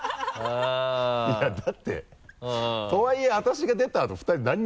いやだって とはいえ私が出たあと２人何も。